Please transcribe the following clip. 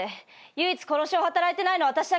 唯一殺しを働いてないのは私だけじゃない。